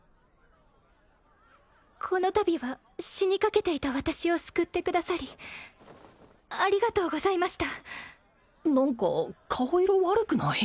この度は死にかけていた私を救ってくださりありがとうございました何か顔色悪くない？